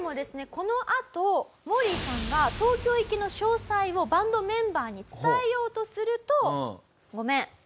このあとモーリーさんが東京行きの詳細をバンドメンバーに伝えようとすると。